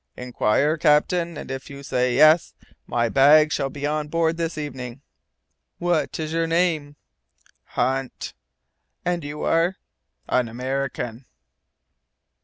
"Inquire, captain, and if you say yes, my bag shall be on board this evening." "What is your name?" "Hunt." "And you are ?" "An American."